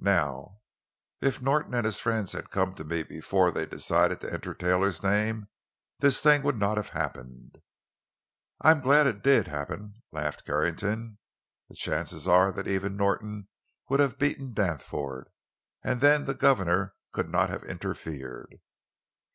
Now, if Norton and his friends had come to me before they decided to enter Taylor's name, this thing would not have happened." "I'm glad it did happen," laughed Carrington. "The chances are that even Norton would have beaten Danforth, and then the governor could not have interfered."